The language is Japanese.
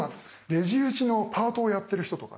レジ打ちのパートをやってる人とかね